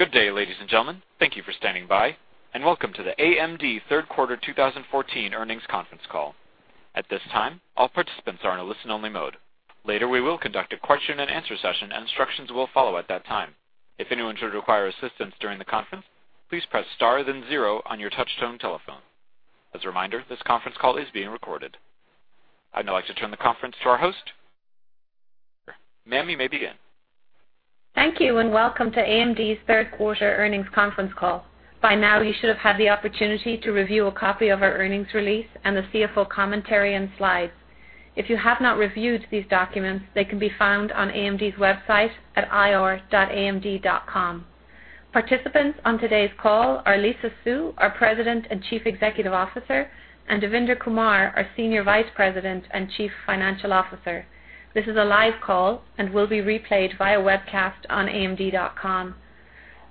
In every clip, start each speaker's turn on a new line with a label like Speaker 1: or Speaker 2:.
Speaker 1: Good day, ladies and gentlemen. Thank you for standing by, and welcome to the AMD Third Quarter 2014 Earnings Conference Call. At this time, all participants are in a listen-only mode. Later, we will conduct a question-and-answer session, and instructions will follow at that time. If anyone should require assistance during the conference, please press star then zero on your touch-tone telephone. As a reminder, this conference call is being recorded. I'd now like to turn the conference to our host. Ma'am, you may begin.
Speaker 2: Thank you. Welcome to AMD's Third Quarter Earnings Conference Call. By now, you should have had the opportunity to review a copy of our earnings release and the CFO commentary and slides. If you have not reviewed these documents, they can be found on AMD's website at ir.amd.com. Participants on today's call are Lisa Su, our President and Chief Executive Officer, and Devinder Kumar, our Senior Vice President and Chief Financial Officer. This is a live call and will be replayed via webcast on amd.com.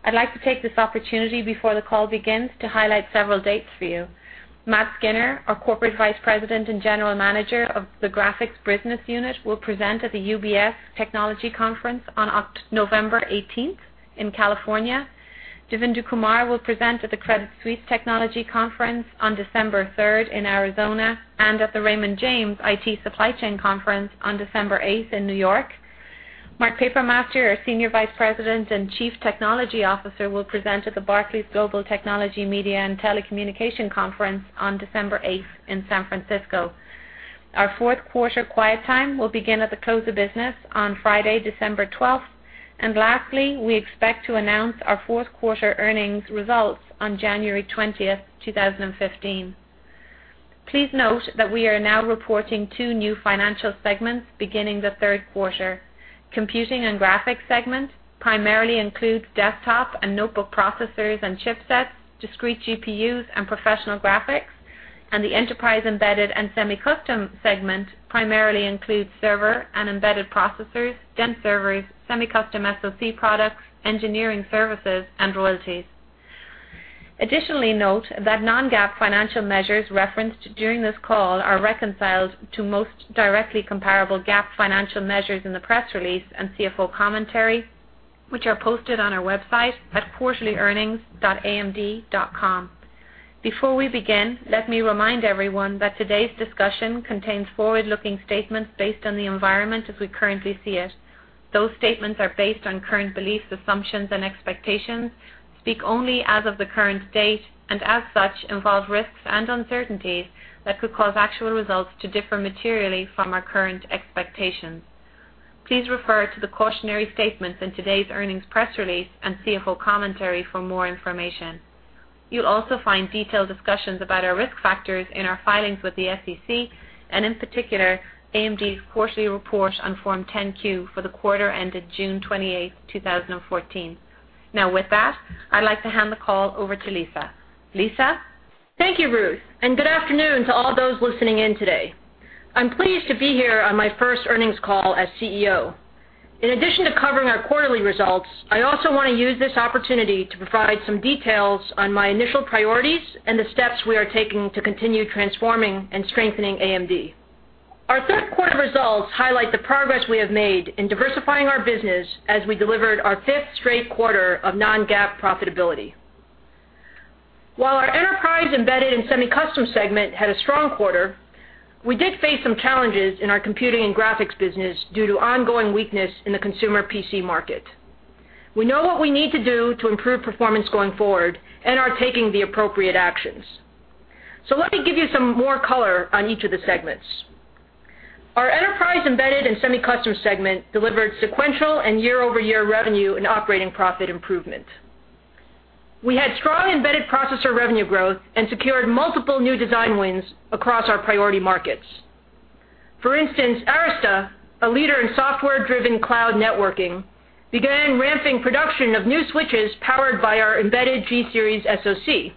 Speaker 2: I'd like to take this opportunity before the call begins to highlight several dates for you. Matt Skynner, our Corporate Vice President and General Manager of the Graphics Business Unit, will present at the UBS Technology Conference on November 18th in California. Devinder Kumar will present at the Credit Suisse Technology Conference on December 3rd in Arizona. At the Raymond James IT Supply Chain Conference on December 8th in New York, Mark Papermaster, our Senior Vice President and Chief Technology Officer, will present at the Barclays Global Technology, Media, and Telecommunication Conference on December 8th in San Francisco. Our fourth quarter quiet time will begin at the close of business on Friday, December 12th. Lastly, we expect to announce our fourth quarter earnings results on January 20th, 2015. Please note that we are now reporting two new financial segments beginning the third quarter. Computing and Graphics segment primarily includes desktop and notebook processors and chipsets, discrete GPUs, and professional graphics. The Enterprise, Embedded, and Semi-Custom segment primarily includes server and embedded processors, dense servers, semi-custom SoC products, engineering services, and royalties. Additionally, note that non-GAAP financial measures referenced during this call are reconciled to most directly comparable GAAP financial measures in the press release and CFO commentary, which are posted on our website at quarterlyearnings.amd.com. Before we begin, let me remind everyone that today's discussion contains forward-looking statements based on the environment as we currently see it. Those statements are based on current beliefs, assumptions, and expectations, speak only as of the current date, and as such, involve risks and uncertainties that could cause actual results to differ materially from our current expectations. Please refer to the cautionary statements in today's earnings press release and CFO commentary for more information. You'll also find detailed discussions about our risk factors in our filings with the SEC, and in particular, AMD's quarterly report on Form 10-Q for the quarter ended June 28th, 2014. With that, I'd like to hand the call over to Lisa. Lisa?
Speaker 3: Thank you, Ruth, and good afternoon to all those listening in today. I'm pleased to be here on my first earnings call as CEO. In addition to covering our quarterly results, I also want to use this opportunity to provide some details on my initial priorities and the steps we are taking to continue transforming and strengthening AMD. Our third quarter results highlight the progress we have made in diversifying our business as we delivered our fifth straight quarter of non-GAAP profitability. While our Enterprise, Embedded, and Semi-Custom segment had a strong quarter, we did face some challenges in our Computing and Graphics business due to ongoing weakness in the consumer PC market. We know what we need to do to improve performance going forward and are taking the appropriate actions. Let me give you some more color on each of the segments. Our Enterprise, Embedded, and Semi-Custom segment delivered sequential and year-over-year revenue and operating profit improvement. We had strong embedded processor revenue growth and secured multiple new design wins across our priority markets. For instance, Arista, a leader in software-driven cloud networking, began ramping production of new switches powered by our embedded G-series SoC.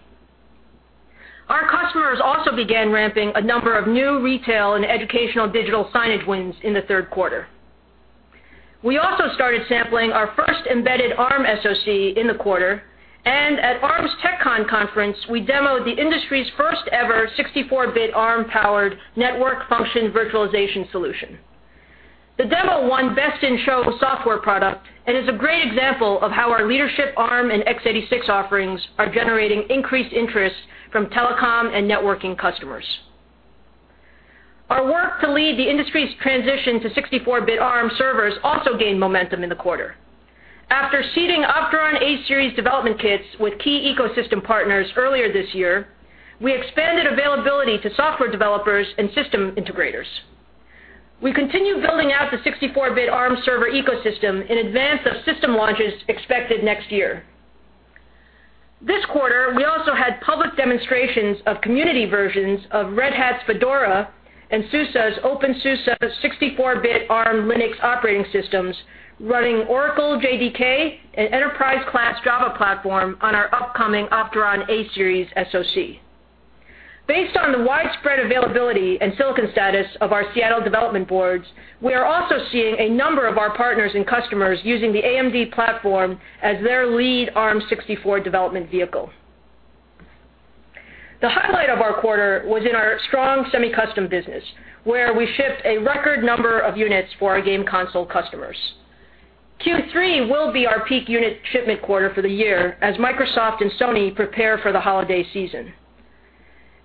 Speaker 3: Our customers also began ramping a number of new retail and educational digital signage wins in the third quarter. We also started sampling our first embedded Arm SoC in the quarter, and at Arm's TechCon conference, we demoed the industry's first ever 64-bit Arm-powered network function virtualization solution. The demo won Best in Show software product and is a great example of how our leadership Arm and x86 offerings are generating increased interest from telecom and networking customers. Our work to lead the industry's transition to 64-bit Arm servers also gained momentum in the quarter. After seeding Opteron A-series development kits with key ecosystem partners earlier this year, we expanded availability to software developers and system integrators. We continue building out the 64-bit Arm server ecosystem in advance of system launches expected next year. This quarter, we also had public demonstrations of community versions of Red Hat's Fedora and SUSE's openSUSE 64-bit Arm Linux operating systems running Oracle JDK and enterprise-class Java platform on our upcoming Opteron A-series SoC. Based on the widespread availability and silicon status of our Seattle development boards, we are also seeing a number of our partners and customers using the AMD platform as their lead Arm 64 development vehicle. The highlight of our quarter was in our strong semi-custom business, where we shipped a record number of units for our game console customers. Q3 will be our peak unit shipment quarter for the year, as Microsoft and Sony prepare for the holiday season.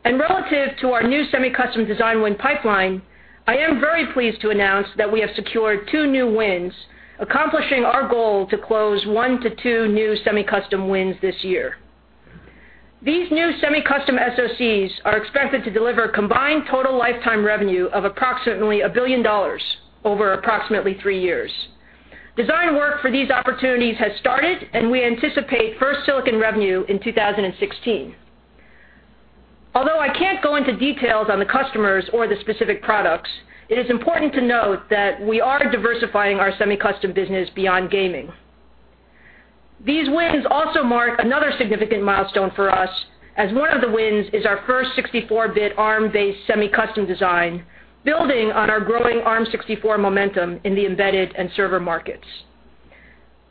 Speaker 3: Relative to our new semi-custom design win pipeline, I am very pleased to announce that we have secured 2 new wins, accomplishing our goal to close 1 to 2 new semi-custom wins this year. These new semi-custom SoCs are expected to deliver combined total lifetime revenue of approximately $1 billion over approximately 3 years. Design work for these opportunities has started, and we anticipate first silicon revenue in 2016. Although I can't go into details on the customers or the specific products, it is important to note that we are diversifying our semi-custom business beyond gaming. These wins also mark another significant milestone for us, as one of the wins is our first 64-bit ARM-based semi-custom design, building on our growing ARM 64 momentum in the embedded and server markets.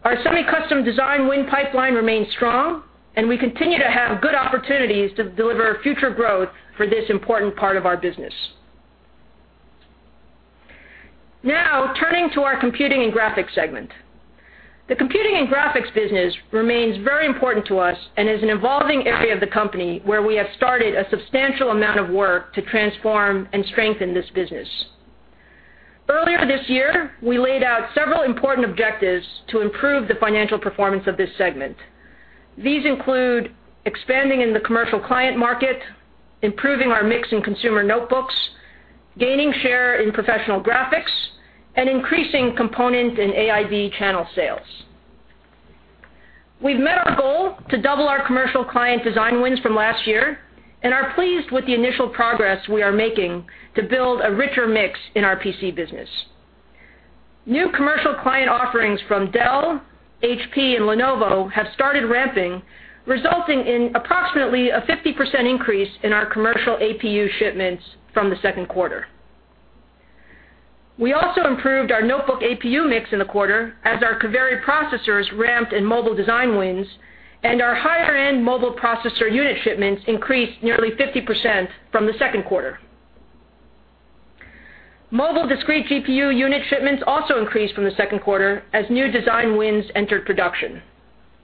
Speaker 3: Our semi-custom design win pipeline remains strong, and we continue to have good opportunities to deliver future growth for this important part of our business. Now, turning to our Computing and Graphics segment. The Computing and Graphics business remains very important to us and is an evolving area of the company where we have started a substantial amount of work to transform and strengthen this business. Earlier this year, we laid out several important objectives to improve the financial performance of this segment. These include expanding in the commercial client market, improving our mix in consumer notebooks, gaining share in professional graphics, and increasing component and AIB channel sales. We've met our goal to double our commercial client design wins from last year and are pleased with the initial progress we are making to build a richer mix in our PC business. New commercial client offerings from Dell, HP, and Lenovo have started ramping, resulting in approximately a 50% increase in our commercial APU shipments from the second quarter. We also improved our notebook APU mix in the quarter as our Kaveri processors ramped in mobile design wins, and our higher-end mobile processor unit shipments increased nearly 50% from the second quarter. Mobile discrete GPU unit shipments also increased from the second quarter as new design wins entered production.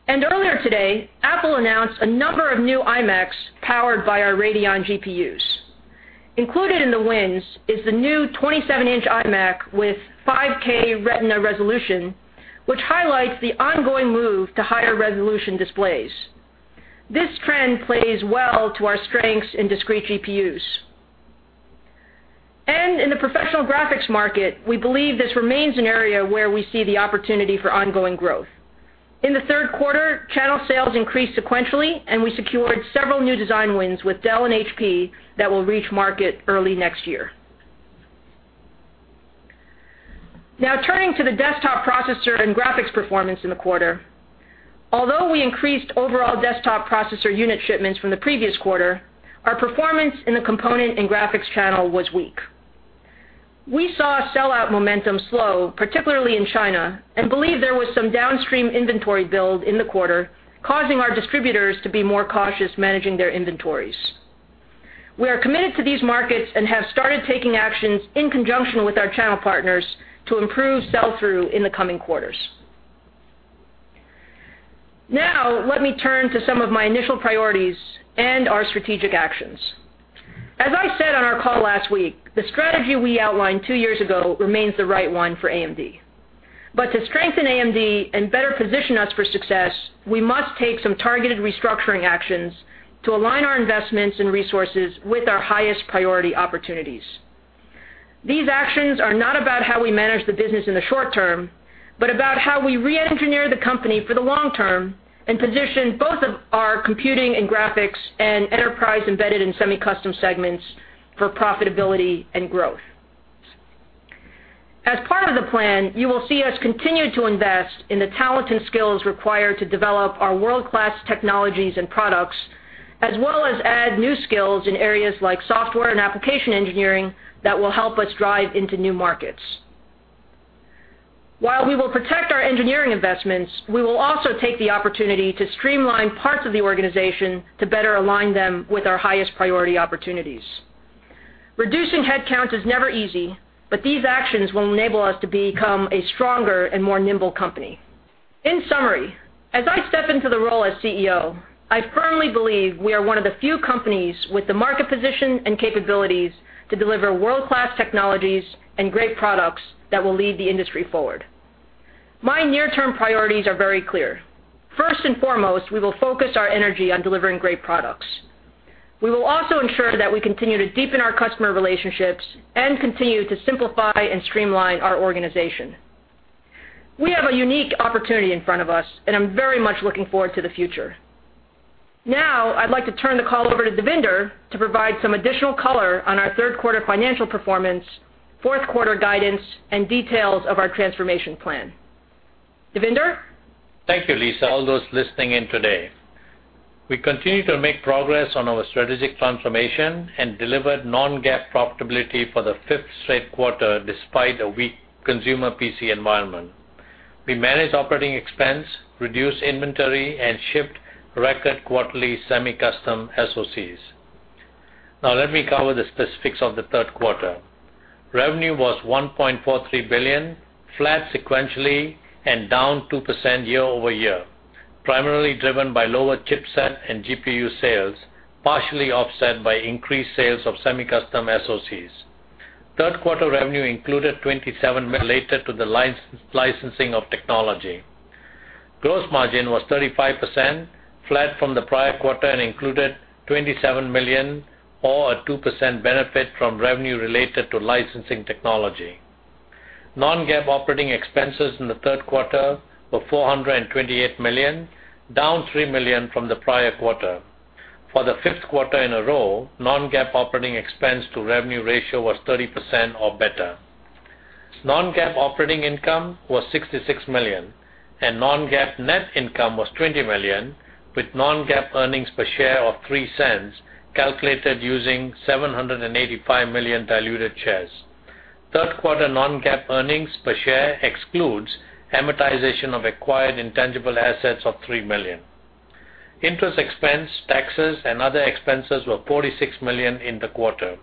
Speaker 3: Earlier today, Apple announced a number of new iMacs powered by our Radeon GPUs. Included in the wins is the new 27-inch iMac with 5K Retina resolution, which highlights the ongoing move to higher resolution displays. This trend plays well to our strengths in discrete GPUs. In the professional graphics market, we believe this remains an area where we see the opportunity for ongoing growth. In the third quarter, channel sales increased sequentially, and we secured several new design wins with Dell and HP that will reach market early next year. Now turning to the desktop processor and graphics performance in the quarter. Although we increased overall desktop processor unit shipments from the previous quarter, our performance in the component and graphics channel was weak. We saw sell-out momentum slow, particularly in China, and believe there was some downstream inventory build in the quarter, causing our distributors to be more cautious managing their inventories. We are committed to these markets and have started taking actions in conjunction with our channel partners to improve sell-through in the coming quarters. Let me turn to some of my initial priorities and our strategic actions. As I said on our call last week, the strategy we outlined two years ago remains the right one for AMD. To strengthen AMD and better position us for success, we must take some targeted restructuring actions to align our investments and resources with our highest priority opportunities. These actions are not about how we manage the business in the short term, but about how we re-engineer the company for the long term and position both of our Computing and Graphics and Enterprise, Embedded, and Semi-Custom segments for profitability and growth. As part of the plan, you will see us continue to invest in the talent and skills required to develop our world-class technologies and products, as well as add new skills in areas like software and application engineering that will help us drive into new markets. While we will protect our engineering investments, we will also take the opportunity to streamline parts of the organization to better align them with our highest priority opportunities. Reducing headcount is never easy, but these actions will enable us to become a stronger and more nimble company. In summary, as I step into the role as CEO, I firmly believe we are one of the few companies with the market position and capabilities to deliver world-class technologies and great products that will lead the industry forward. My near-term priorities are very clear. First and foremost, we will focus our energy on delivering great products. We will also ensure that we continue to deepen our customer relationships and continue to simplify and streamline our organization. We have a unique opportunity in front of us, and I'm very much looking forward to the future. I'd like to turn the call over to Devinder to provide some additional color on our third quarter financial performance, fourth quarter guidance, and details of our transformation plan. Devinder?
Speaker 4: Thank you, Lisa. All those listening in today. We continue to make progress on our strategic transformation and delivered non-GAAP profitability for the fifth straight quarter despite a weak consumer PC environment. We managed operating expense, reduced inventory, and shipped record quarterly semi-custom SoCs. Let me cover the specifics of the third quarter. Revenue was $1.43 billion, flat sequentially, and down 2% year-over-year, primarily driven by lower chipset and GPU sales, partially offset by increased sales of semi-custom SoCs. Third quarter revenue included $27 million related to the licensing of technology. Gross margin was 35%, flat from the prior quarter, and included $27 million, or a 2% benefit from revenue related to licensing technology. non-GAAP operating expenses in the third quarter were $428 million, down $3 million from the prior quarter. For the fifth quarter in a row, non-GAAP operating expense to revenue ratio was 30% or better. Non-GAAP operating income was $66 million, and non-GAAP net income was $20 million, with non-GAAP earnings per share of $0.03, calculated using 785 million diluted shares. Third quarter non-GAAP earnings per share excludes amortization of acquired intangible assets of $3 million. Interest expense, taxes, and other expenses were $46 million in the quarter.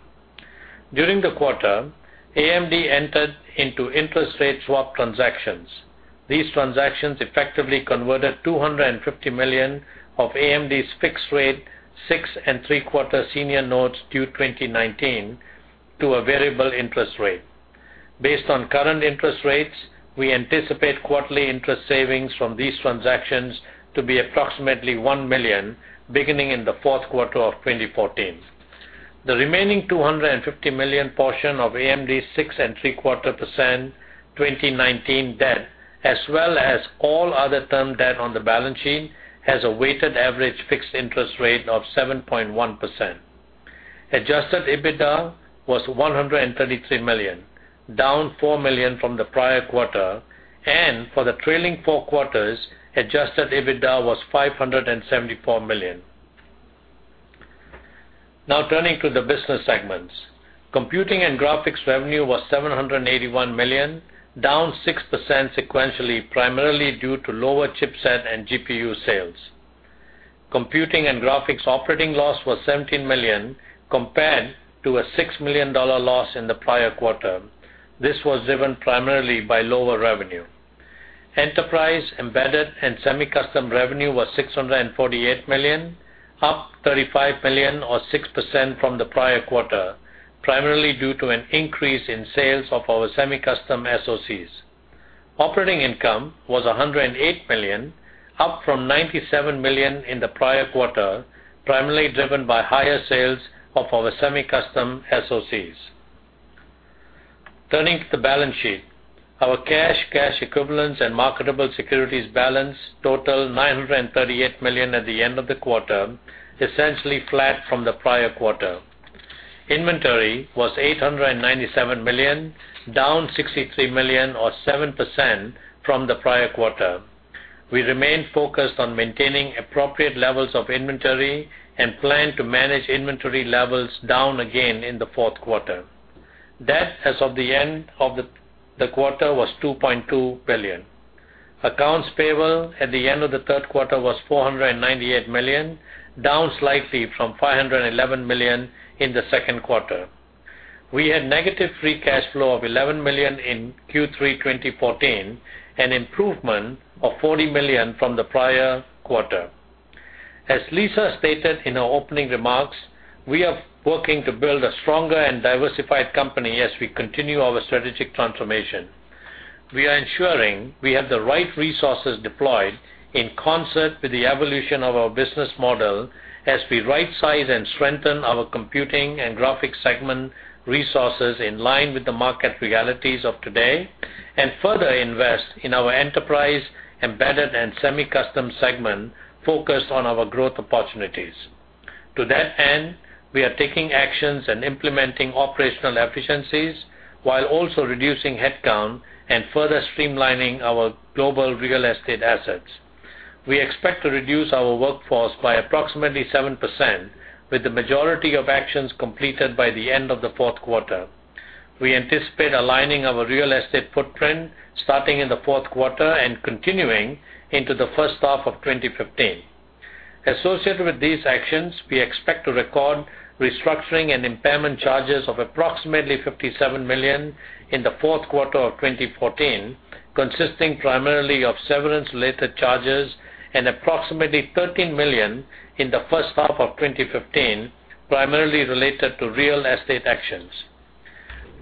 Speaker 4: During the quarter, AMD entered into interest rate swap transactions. These transactions effectively converted $250 million of AMD's fixed-rate six-and-three-quarter senior notes due 2019 to a variable interest rate. Based on current interest rates, we anticipate quarterly interest savings from these transactions to be approximately $1 million, beginning in the fourth quarter of 2014. The remaining $250 million portion of AMD's 6.75% 2019 debt, as well as all other term debt on the balance sheet, has a weighted average fixed interest rate of 7.1%. Adjusted EBITDA was $133 million, down $4 million from the prior quarter, and for the trailing four quarters, Adjusted EBITDA was $574 million. Turning to the business segments. Computing and Graphics revenue was $781 million, down 6% sequentially, primarily due to lower chipset and GPU sales. Computing and Graphics operating loss was $17 million compared to a $6 million loss in the prior quarter. This was driven primarily by lower revenue. Enterprise, Embedded, and Semi-Custom revenue was $648 million, up $35 million or 6% from the prior quarter, primarily due to an increase in sales of our semi-custom SoCs. Operating income was $108 million, up from $97 million in the prior quarter, primarily driven by higher sales of our semi-custom SoCs. Turning to the balance sheet. Our cash equivalents, and marketable securities balance totaled $938 million at the end of the quarter, essentially flat from the prior quarter. Inventory was $897 million, down $63 million or 7% from the prior quarter. We remain focused on maintaining appropriate levels of inventory and plan to manage inventory levels down again in the fourth quarter. Debt as of the end of the quarter was $2.2 billion. Accounts payable at the end of the third quarter was $498 million, down slightly from $511 million in the second quarter. We had negative free cash flow of $11 million in Q3 2014, an improvement of $40 million from the prior quarter. As Lisa stated in her opening remarks, we are working to build a stronger and diversified company as we continue our strategic transformation. We are ensuring we have the right resources deployed in concert with the evolution of our business model as we rightsize and strengthen our Computing and Graphics segment resources in line with the market realities of today and further invest in our Enterprise, Embedded, and Semi-Custom segment focused on our growth opportunities. To that end, we are taking actions and implementing operational efficiencies while also reducing headcount and further streamlining our global real estate assets. We expect to reduce our workforce by approximately 7%, with the majority of actions completed by the end of the fourth quarter. We anticipate aligning our real estate footprint starting in the fourth quarter and continuing into the first half of 2015. Associated with these actions, we expect to record restructuring and impairment charges of approximately $57 million in the fourth quarter of 2014, consisting primarily of severance-related charges, and approximately $13 million in the first half of 2015, primarily related to real estate actions.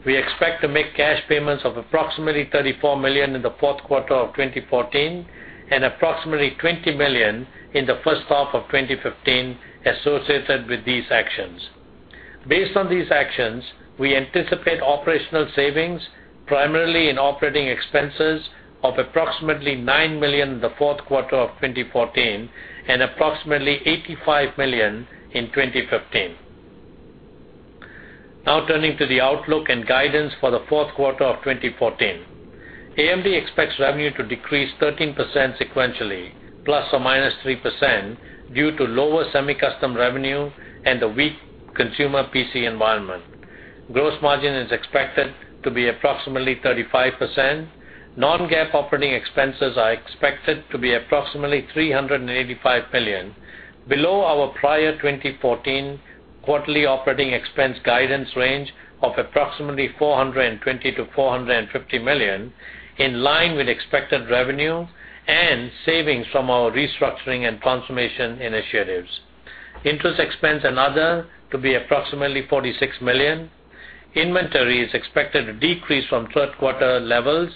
Speaker 4: We expect to make cash payments of approximately $34 million in the fourth quarter of 2014 and approximately $20 million in the first half of 2015 associated with these actions. Based on these actions, we anticipate operational savings, primarily in operating expenses of approximately $9 million in the fourth quarter of 2014 and approximately $85 million in 2015. Turning to the outlook and guidance for the fourth quarter of 2014. AMD expects revenue to decrease 13% sequentially, ±3%, due to lower semi-custom revenue and the weak consumer PC environment. Gross margin is expected to be approximately 35%. Non-GAAP operating expenses are expected to be approximately $385 million, below our prior 2014 quarterly operating expense guidance range of approximately $420 million-$450 million, in line with expected revenue and savings from our restructuring and transformation initiatives. Interest expense and other to be approximately $46 million. Inventory is expected to decrease from third quarter levels.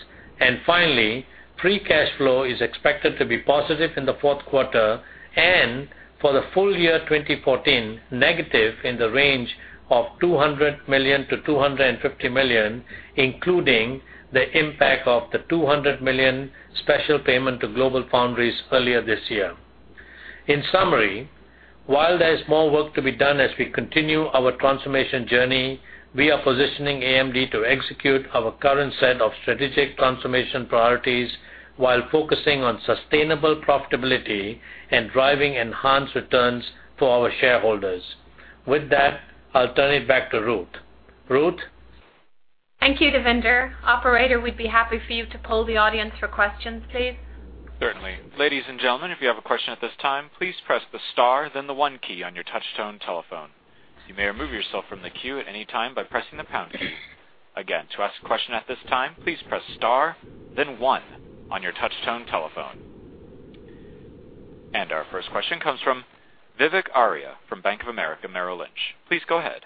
Speaker 4: Finally, free cash flow is expected to be positive in the fourth quarter, and for the full year 2014, negative in the range of $200 million-$250 million, including the impact of the $200 million special payment to GlobalFoundries earlier this year. In summary, while there is more work to be done as we continue our transformation journey, we are positioning AMD to execute our current set of strategic transformation priorities while focusing on sustainable profitability and driving enhanced returns for our shareholders. With that, I'll turn it back to Ruth. Ruth?
Speaker 2: Thank you, Devinder. Operator, we'd be happy for you to poll the audience for questions, please.
Speaker 1: Certainly. Ladies and gentlemen, if you have a question at this time, please press the star, then the 1 key on your touchtone telephone. You may remove yourself from the queue at any time by pressing the pound key. Again, to ask a question at this time, please press star, then 1 on your touchtone telephone. Our first question comes from Vivek Arya from Bank of America Merrill Lynch. Please go ahead.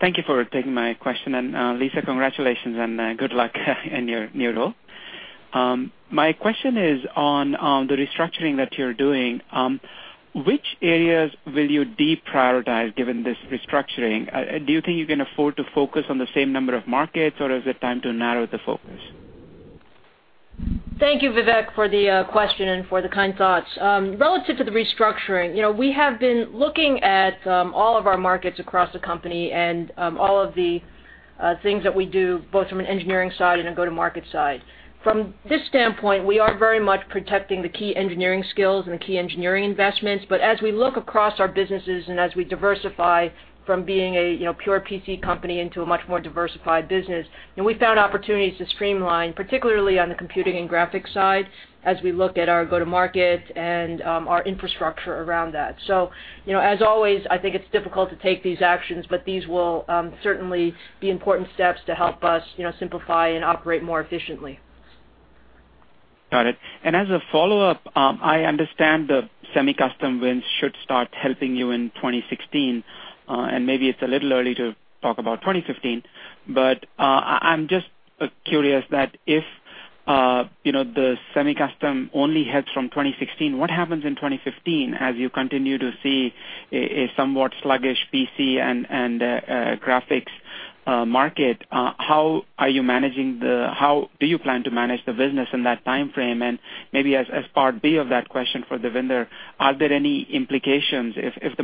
Speaker 5: Thank you for taking my question. Lisa Su, congratulations and good luck in your new role. My question is on the restructuring that you're doing. Which areas will you deprioritize given this restructuring? Do you think you can afford to focus on the same number of markets, or is it time to narrow the focus?
Speaker 3: Thank you, Vivek Arya, for the question and for the kind thoughts. Relative to the restructuring, we have been looking at all of our markets across the company and all of the things that we do, both from an engineering side and a go-to-market side. From this standpoint, we are very much protecting the key engineering skills and the key engineering investments. As we look across our businesses and as we diversify from being a pure PC company into a much more diversified business, we found opportunities to streamline, particularly on the Computing and Graphics side, as we look at our go-to-market and our infrastructure around that. As always, I think it's difficult to take these actions, but these will certainly be important steps to help us simplify and operate more efficiently.
Speaker 5: Got it. As a follow-up, I understand the semi-custom wins should start helping you in 2016. Maybe it's a little early to talk about 2015, but I'm just curious that if the semi-custom only helps from 2016, what happens in 2015 as you continue to see a somewhat sluggish PC and graphics market? How do you plan to manage the business in that timeframe? Maybe as part B of that question for Devinder Kumar, are there any implications if the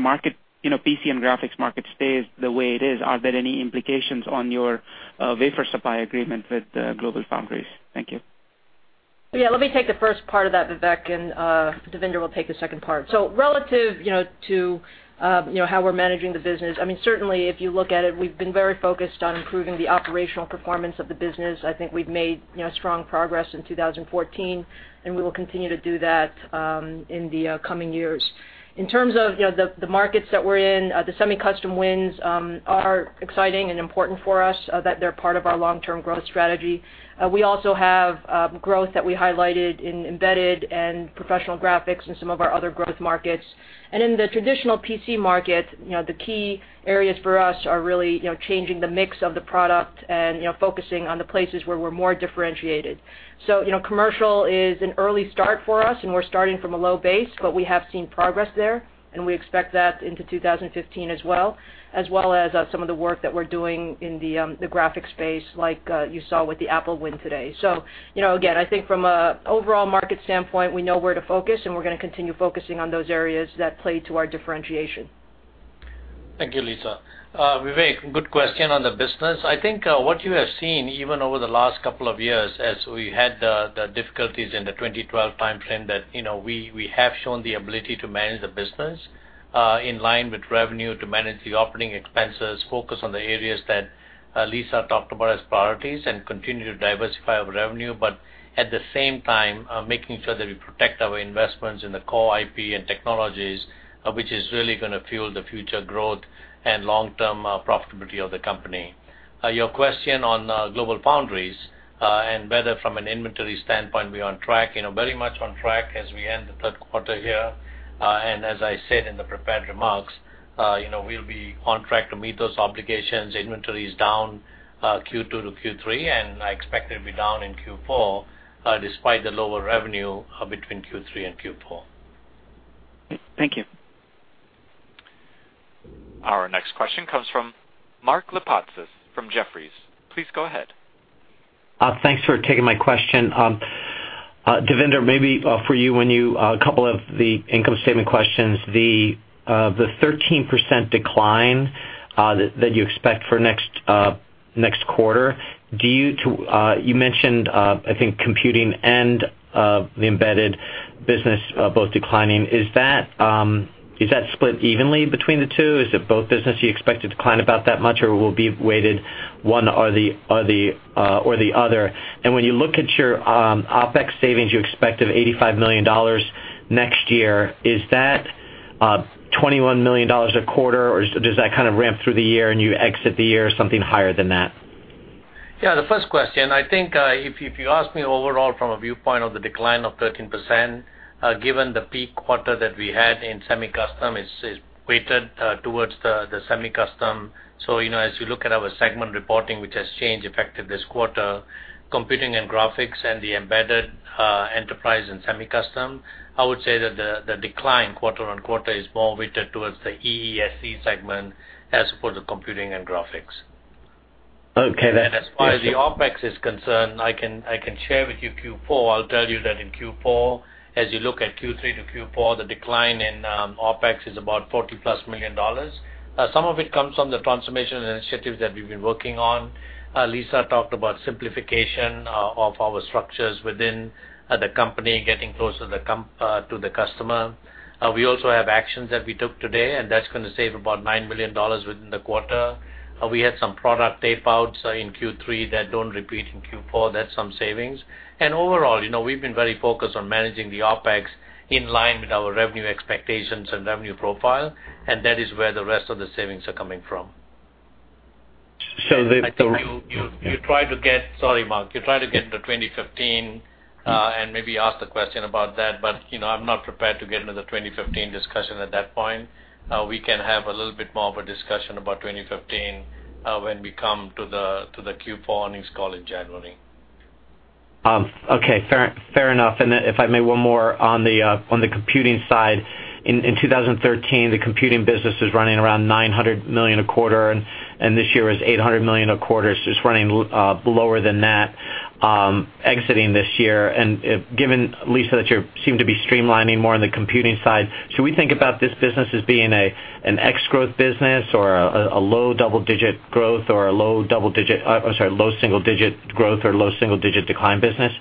Speaker 5: PC and graphics market stays the way it is? Are there any implications on your wafer supply agreement with GlobalFoundries? Thank you.
Speaker 3: Yeah, let me take the first part of that, Vivek Arya, and Devinder Kumar will take the second part. Relative to how we're managing the business, certainly if you look at it, we've been very focused on improving the operational performance of the business. I think we've made strong progress in 2014, and we will continue to do that in the coming years. In terms of the markets that we're in, the semi-custom wins are exciting and important for us, that they're part of our long-term growth strategy. We also have growth that we highlighted in embedded and professional graphics and some of our other growth markets. In the traditional PC market, the key areas for us are really changing the mix of the product and focusing on the places where we're more differentiated. Commercial is an early start for us, we're starting from a low base, but we have seen progress there, we expect that into 2015 as well. As well as some of the work that we're doing in the graphics space, like you saw with the Apple win today. Again, I think from an overall market standpoint, we know where to focus, we're going to continue focusing on those areas that play to our differentiation.
Speaker 4: Thank you, Lisa. Vivek, good question on the business. I think what you have seen, even over the last couple of years as we had the difficulties in the 2012 timeframe, that we have shown the ability to manage the business, in line with revenue, to manage the operating expenses, focus on the areas that Lisa talked about as priorities, and continue to diversify our revenue. At the same time, making sure that we protect our investments in the core IP and technologies, which is really going to fuel the future growth and long-term profitability of the company. Your question on GlobalFoundries, and whether from an inventory standpoint, we're on track. Very much on track as we end the third quarter here. As I said in the prepared remarks, we'll be on track to meet those obligations. Inventory is down Q2 to Q3, I expect it'll be down in Q4, despite the lower revenue between Q3 and Q4.
Speaker 5: Thank you.
Speaker 1: Our next question comes from Mark Lipacis from Jefferies. Please go ahead.
Speaker 6: Thanks for taking my question. Devinder, maybe for you, a couple of the income statement questions. The 13% decline that you expect for next quarter, you mentioned, I think, computing and the embedded Business both declining. Is that split evenly between the two? Is it both business you expect to decline about that much, or will it be weighted one or the other? When you look at your OpEx savings, you expect of $85 million next year, is that $21 million a quarter or does that kind of ramp through the year and you exit the year something higher than that?
Speaker 4: Yeah, the first question, I think, if you ask me overall from a viewpoint of the decline of 13%, given the peak quarter that we had in semi-custom, it's weighted towards the semi-custom. As you look at our segment reporting, which has changed effective this quarter, Computing and Graphics and the Enterprise, Embedded, and Semi-Custom, I would say that the decline quarter-on-quarter is more weighted towards the EESC segment as for the Computing and Graphics.
Speaker 6: Okay, that-
Speaker 4: As far as the OpEx is concerned, I can share with you Q4. I'll tell you that in Q4, as you look at Q3 to Q4, the decline in OpEx is about $40 plus million. Some of it comes from the transformation initiatives that we've been working on. Lisa talked about simplification of our structures within the company, getting closer to the customer. We also have actions that we took today, that's going to save about $9 million within the quarter. We had some product tape outs in Q3 that don't repeat in Q4. That's some savings. Overall, we've been very focused on managing the OpEx in line with our revenue expectations and revenue profile, and that is where the rest of the savings are coming from.
Speaker 6: So the-
Speaker 4: I think you tried to get, sorry Mark, you tried to get into 2015, and maybe ask the question about that, but I'm not prepared to get into the 2015 discussion at that point. We can have a little bit more of a discussion about 2015 when we come to the Q4 earnings call in January.
Speaker 6: Okay. Fair enough. If I may, one more on the computing side. In 2013, the computing business was running around $900 million a quarter, and this year was $800 million a quarter, so it's running lower than that exiting this year. Given, Lisa, that you seem to be streamlining more on the computing side, should we think about this business as being an x growth business or a low double-digit growth or a low single-digit growth or low single-digit decline business?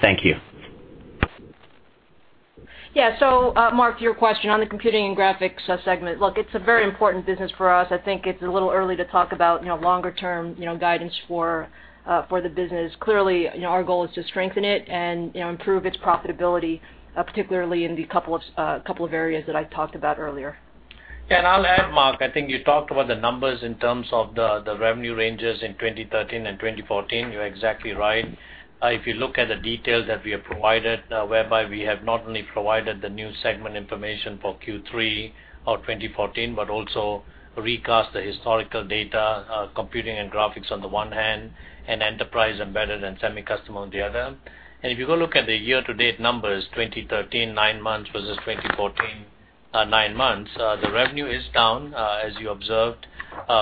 Speaker 6: Thank you.
Speaker 3: Yeah. Mark, your question on the Computing and Graphics segment. Look, it's a very important business for us. I think it's a little early to talk about longer-term guidance for the business. Clearly, our goal is to strengthen it and improve its profitability, particularly in the couple of areas that I talked about earlier.
Speaker 4: Yeah. I'll add, Mark, I think you talked about the numbers in terms of the revenue ranges in 2013 and 2014. You're exactly right. If you look at the details that we have provided, whereby we have not only provided the new segment information for Q3 of 2014, but also recast the historical data, Computing and Graphics on the one hand, and Enterprise, Embedded, and Semi-Custom on the other. If you go look at the year-to-date numbers, 2013 nine months versus 2014 nine months, the revenue is down, as you observed,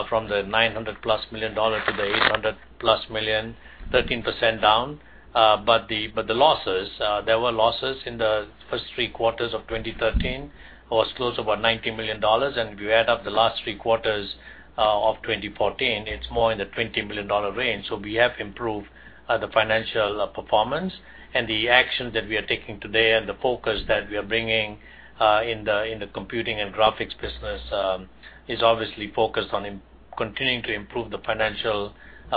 Speaker 4: from the $900-plus million to the $800-plus million, 13% down. The losses, there were losses in the first three quarters of 2013, was close to about $90 million. If you add up the last three quarters of 2014, it's more in the $20 million range. We have improved the financial performance and the actions that we are taking today and the focus that we are bringing in the Computing and Graphics business is obviously focused on continuing to improve the financial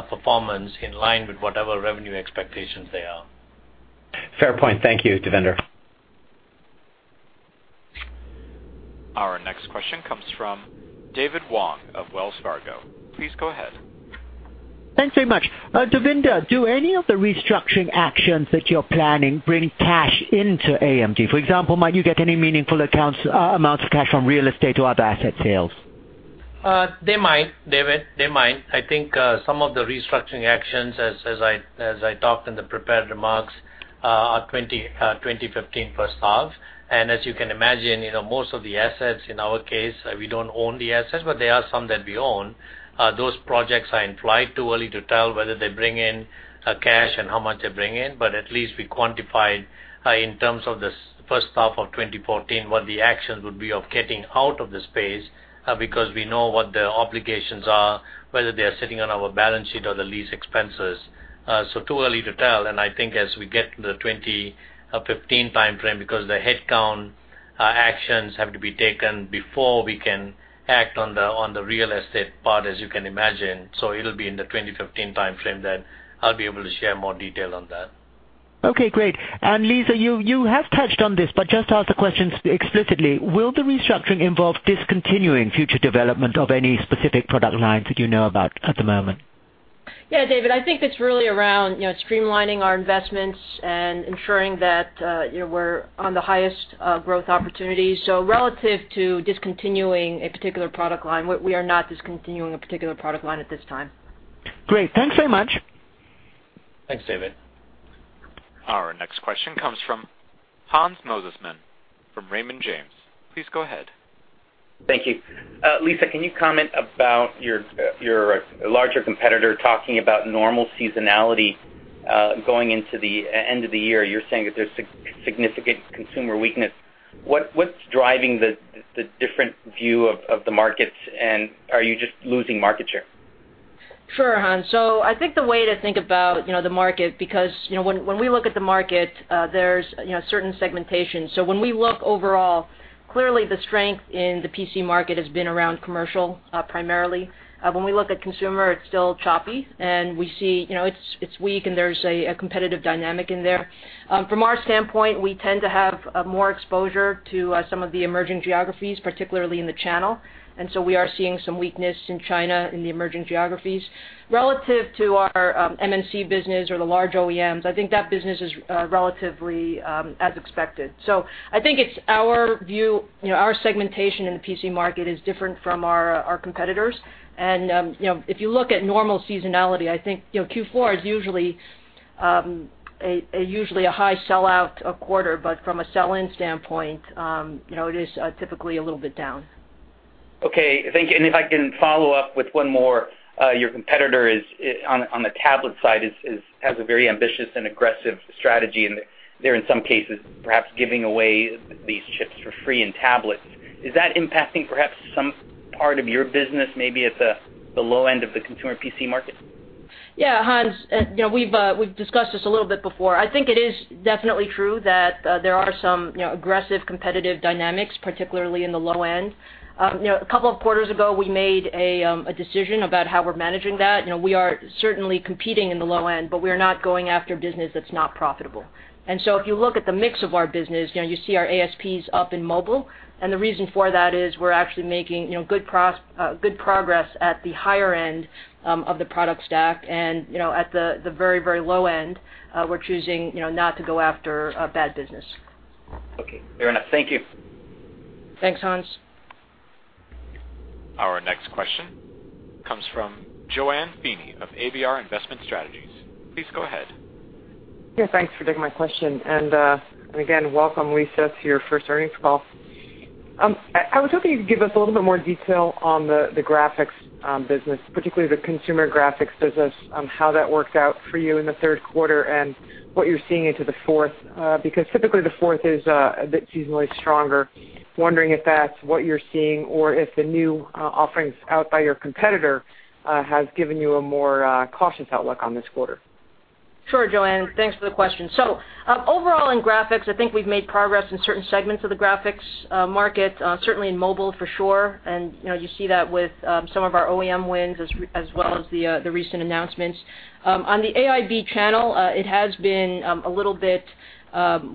Speaker 4: performance in line with whatever revenue expectations they are.
Speaker 6: Fair point. Thank you, Devinder.
Speaker 1: Our next question comes from David Wong of Wells Fargo. Please go ahead.
Speaker 7: Thanks very much. Devinder, do any of the restructuring actions that you're planning bring cash into AMD? For example, might you get any meaningful amounts of cash from real estate or other asset sales?
Speaker 4: They might, David. They might. I think some of the restructuring actions, as I talked in the prepared remarks, are 2015 first half. As you can imagine, most of the assets, in our case, we don't own the assets, but there are some that we own. Those projects are in flight too early to tell whether they bring in cash and how much they bring in. At least we quantified in terms of the first half of 2014 what the actions would be of getting out of the space, because we know what the obligations are, whether they are sitting on our balance sheet or the lease expenses. Too early to tell. I think as we get to the 2015 timeframe, because the headcount actions have to be taken before we can act on the real estate part, as you can imagine. It'll be in the 2015 timeframe that I'll be able to share more detail on that.
Speaker 7: Okay, great. Lisa, you have touched on this, but just to ask the questions explicitly, will the restructuring involve discontinuing future development of any specific product lines that you know about at the moment?
Speaker 3: Yeah, David, I think it's really around streamlining our investments and ensuring that we're on the highest growth opportunities. Relative to discontinuing a particular product line, we are not discontinuing a particular product line at this time.
Speaker 7: Great. Thanks very much.
Speaker 4: Thanks, David.
Speaker 1: Our next question comes from Hans Mosesmann from Raymond James. Please go ahead.
Speaker 8: Thank you. Lisa, can you comment about your larger competitor talking about normal seasonality going into the end of the year? You're saying that there's significant consumer weakness. What's driving the different view of the markets, and are you just losing market share?
Speaker 3: Sure, Hans. I think the way to think about the market, because when we look at the market, there's certain segmentation. When we look overall, clearly the strength in the PC market has been around commercial primarily. When we look at consumer, it's still choppy, and it's weak, and there's a competitive dynamic in there. From our standpoint, we tend to have more exposure to some of the emerging geographies, particularly in the channel. We are seeing some weakness in China, in the emerging geographies. Relative to our MNC business or the large OEMs, I think that business is relatively as expected. I think our segmentation in the PC market is different from our competitors. If you look at normal seasonality, I think Q4 is usually a high sellout quarter, but from a sell-in standpoint, it is typically a little bit down.
Speaker 8: Okay, thank you. If I can follow up with one more. Your competitor on the tablet side has a very ambitious and aggressive strategy, and they're, in some cases, perhaps giving away these chips for free in tablets. Is that impacting perhaps some part of your business, maybe at the low end of the consumer PC market?
Speaker 3: Yeah, Hans, we've discussed this a little bit before. I think it is definitely true that there are some aggressive competitive dynamics, particularly in the low end. A couple of quarters ago, we made a decision about how we're managing that. We are certainly competing in the low end. We are not going after business that's not profitable. If you look at the mix of our business, you see our ASPs up in mobile. The reason for that is we're actually making good progress at the higher end of the product stack. At the very low end, we're choosing not to go after bad business.
Speaker 8: Okay, fair enough. Thank you.
Speaker 3: Thanks, Hans.
Speaker 1: Our next question comes from JoAnne Feeney of ABR Investment Strategy. Please go ahead.
Speaker 9: Thanks for taking my question. Again, welcome, Lisa, to your first earnings call. I was hoping you could give us a little bit more detail on the graphics business, particularly the consumer graphics business, on how that worked out for you in the third quarter and what you're seeing into the fourth. Typically the fourth is a bit seasonally stronger. Wondering if that's what you're seeing or if the new offerings out by your competitor have given you a more cautious outlook on this quarter.
Speaker 3: Sure, JoAnne, thanks for the question. Overall in graphics, I think we've made progress in certain segments of the graphics market. Certainly in mobile, for sure, and you see that with some of our OEM wins as well as the recent announcements. On the AIB channel, it has been a little bit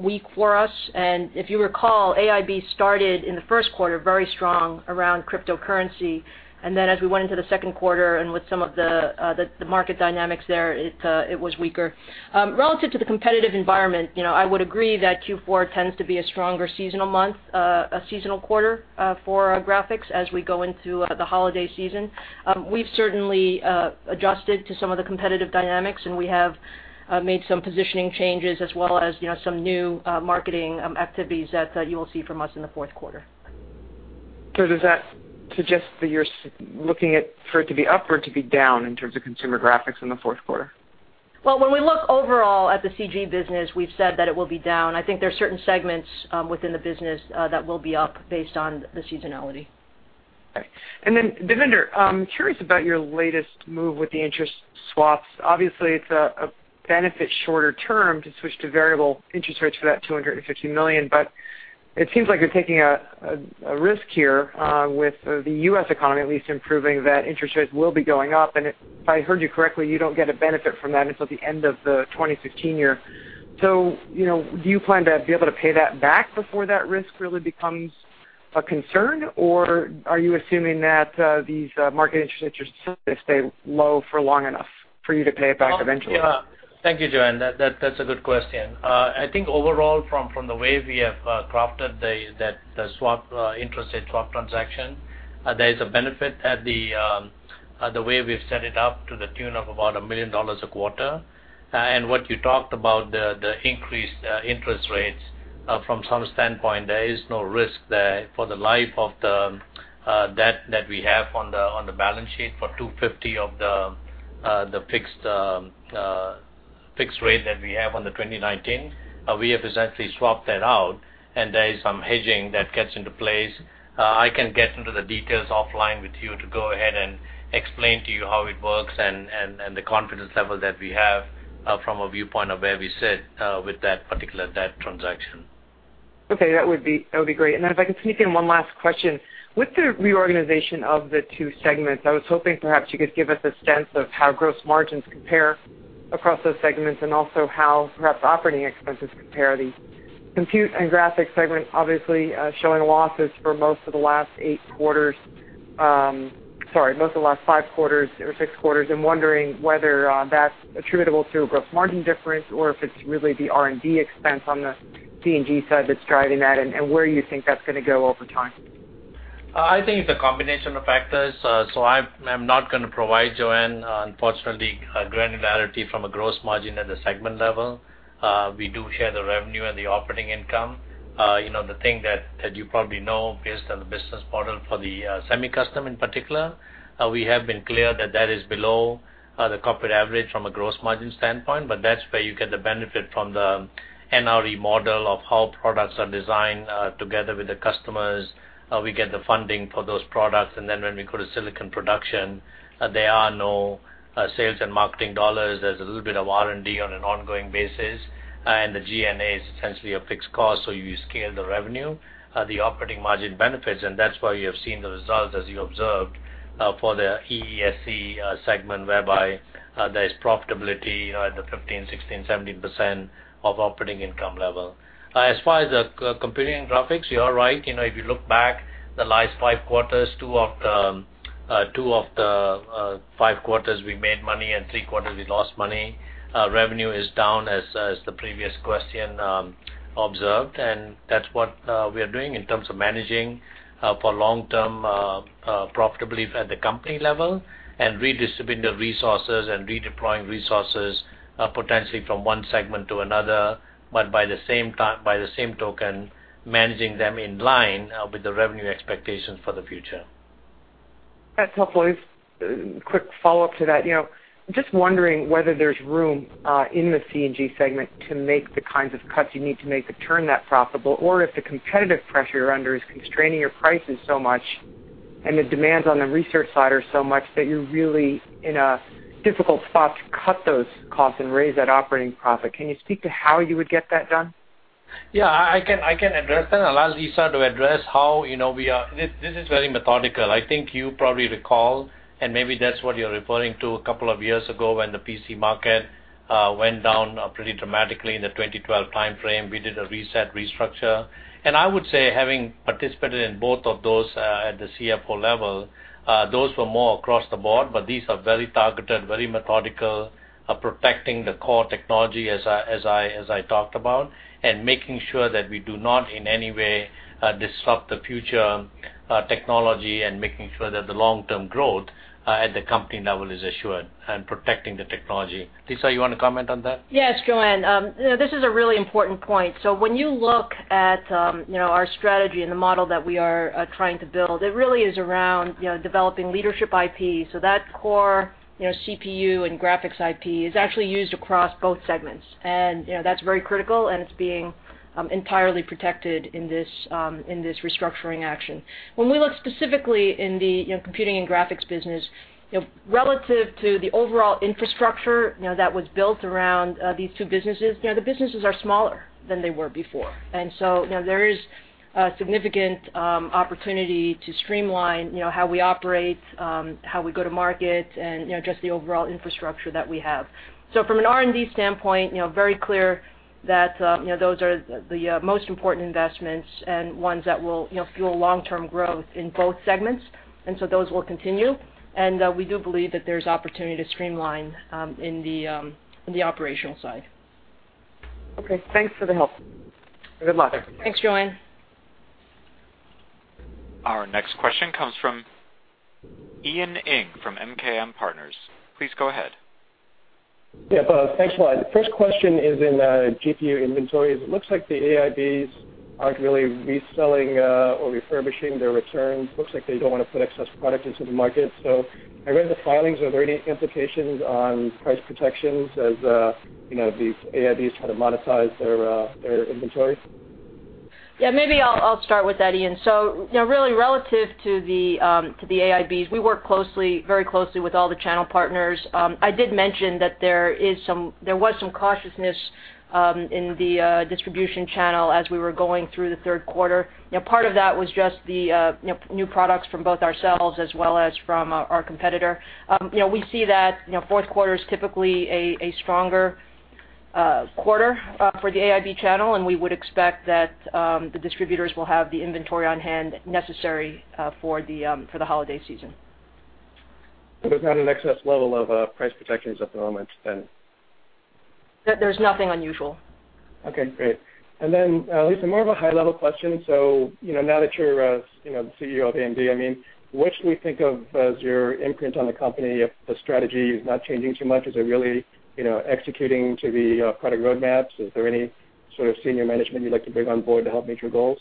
Speaker 3: weak for us. If you recall, AIB started in the first quarter very strong around cryptocurrency, then as we went into the second quarter and with some of the market dynamics there, it was weaker. Relative to the competitive environment, I would agree that Q4 tends to be a stronger seasonal quarter for graphics as we go into the holiday season. We've certainly adjusted to some of the competitive dynamics, we have made some positioning changes as well as some new marketing activities that you will see from us in the fourth quarter.
Speaker 9: Does that suggest that you're looking for it to be up or to be down in terms of consumer graphics in the fourth quarter?
Speaker 3: When we look overall at the CG business, we've said that it will be down. I think there's certain segments within the business that will be up based on the seasonality.
Speaker 9: Okay. Devinder, I'm curious about your latest move with the interest swaps. Obviously, it's a benefit shorter term to switch to variable interest rates for that $250 million, but it seems like you're taking a risk here with the U.S. economy at least improving, that interest rates will be going up. If I heard you correctly, you don't get a benefit from that until the end of the 2016 year. Do you plan to be able to pay that back before that risk really becomes a concern? Are you assuming that these market interest rates are going to stay low for long enough for you to pay it back eventually?
Speaker 4: Thank you, JoAnne. That's a good question. I think overall, from the way we have crafted the interest swap transaction, there is a benefit at the way we've set it up to the tune of about $1 million a quarter. What you talked about, the increased interest rates, from some standpoint, there is no risk there for the life of the debt that we have on the balance sheet for $250 of the fixed rate that we have on the 2019. We have essentially swapped that out, and there is some hedging that gets into place. I can get into the details offline with you to go ahead and explain to you how it works and the confidence level that we have from a viewpoint of where we sit with that particular debt transaction.
Speaker 9: Okay, that would be great. If I can sneak in one last question. With the reorganization of the two segments, I was hoping perhaps you could give us a sense of how gross margins compare across those segments and also how perhaps operating expenses compare. The Computing and Graphics segment obviously showing losses for most of the last eight quarters, sorry, most of the last five quarters or six quarters. I'm wondering whether that's attributable to a gross margin difference or if it's really the R&D expense on the C&G side that's driving that, and where you think that's going to go over time.
Speaker 4: I think it's a combination of factors. I'm not going to provide, JoAnne, unfortunately, granularity from a gross margin at the segment level. We do share the revenue and the operating income. The thing that you probably know based on the business model for the semi-custom in particular, we have been clear that that is below the corporate average from a gross margin standpoint, but that's where you get the benefit from the NRE model of how products are designed together with the customers. We get the funding for those products, and then when we go to silicon production, there are no sales and marketing dollars. There's a little bit of R&D on an ongoing basis, and the G&A is essentially a fixed cost, so you scale the revenue, the operating margin benefits, and that's why you have seen the results as you observed for the EESC segment whereby there is profitability at the 15%, 16%, 17% of operating income level. As far as the Computing and Graphics, you are right. If you look back the last five quarters, two of the five quarters we made money and three quarters we lost money. Revenue is down as the previous question observed, and that's what we are doing in terms of managing for long-term profitability at the company level and redistribute the resources and redeploying resources potentially from one segment to another. By the same token, managing them in line with the revenue expectations for the future.
Speaker 9: That's helpful. A quick follow-up to that. Just wondering whether there's room in the C&G segment to make the kinds of cuts you need to make to turn that profitable, or if the competitive pressure you're under is constraining your prices so much and the demands on the research side are so much that you're really in a difficult spot to cut those costs and raise that operating profit. Can you speak to how you would get that done?
Speaker 4: Yeah, I can address that and allow Lisa to address. This is very methodical. I think you probably recall, and maybe that's what you're referring to, a couple of years ago when the PC market went down pretty dramatically in the 2012 timeframe. We did a reset restructure. I would say, having participated in both of those at the CFO level, those were more across the board, but these are very targeted, very methodical, protecting the core technology as I talked about, and making sure that we do not in any way disrupt the future technology and making sure that the long-term growth at the company level is assured and protecting the technology. Lisa, you want to comment on that?
Speaker 3: Yes, JoAnne. This is a really important point. When you look at our strategy and the model that we are trying to build, it really is around developing leadership IP. That core CPU and graphics IP is actually used across both segments. That's very critical, and it's being entirely protected in this restructuring action. When we look specifically in the Computing and Graphics business, relative to the overall infrastructure that was built around these two businesses, the businesses are smaller than they were before. There is a significant opportunity to streamline how we operate, how we go to market, and just the overall infrastructure that we have. From an R&D standpoint, very clear that those are the most important investments and ones that will fuel long-term growth in both segments. Those will continue, and we do believe that there's opportunity to streamline in the operational side.
Speaker 9: Okay. Thanks for the help. Good luck.
Speaker 3: Thanks, JoAnne.
Speaker 1: Our next question comes from Ian Ing from MKM Partners. Please go ahead.
Speaker 10: Yeah. Thanks a lot. The first question is in GPU inventories. It looks like the AIBs aren't really reselling or refurbishing their returns. Looks like they don't want to put excess product into the market. I read the filings. Are there any implications on price protections as these AIBs try to monetize their inventory?
Speaker 3: Yeah, maybe I'll start with that, Ian. Really relative to the AIBs, we work very closely with all the channel partners. I did mention that there was some cautiousness in the distribution channel as we were going through the third quarter. Part of that was just the new products from both ourselves as well as from our competitor. We see that fourth quarter is typically a stronger quarter for the AIB channel, and we would expect that the distributors will have the inventory on hand necessary for the holiday season.
Speaker 10: There's not an excess level of price protections at the moment, then?
Speaker 3: There's nothing unusual.
Speaker 10: Okay, great. Lisa, more of a high-level question. Now that you're the CEO of AMD, what should we think of as your imprint on the company if the strategy is not changing too much? Is it really executing to the product roadmaps? Is there any sort of senior management you'd like to bring on board to help meet your goals?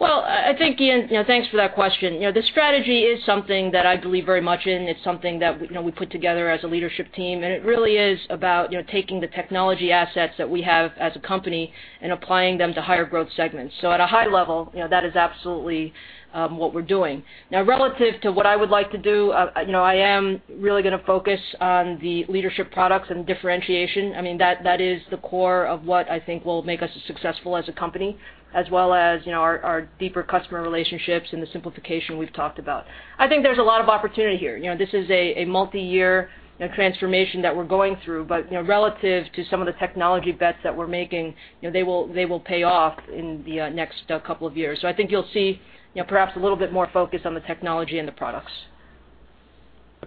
Speaker 3: I think, Ian, thanks for that question. The strategy is something that I believe very much in. It's something that we put together as a leadership team, it really is about taking the technology assets that we have as a company and applying them to higher growth segments. At a high level, that is absolutely what we're doing. Relative to what I would like to do, I am really going to focus on the leadership products and differentiation. That is the core of what I think will make us successful as a company, as well as our deeper customer relationships and the simplification we've talked about. I think there's a lot of opportunity here. This is a multi-year transformation that we're going through, relative to some of the technology bets that we're making, they will pay off in the next couple of years. I think you'll see perhaps a little bit more focus on the technology and the products.